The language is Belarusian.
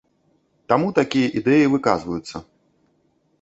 Таму такія ідэі выказваюцца.